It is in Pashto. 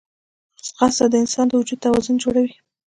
ځغاسته د انسان د وجود توازن جوړوي